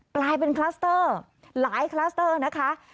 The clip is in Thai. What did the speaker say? กลายเป็นคลัสเตอร์หลายคลัสเตอร์นะคะ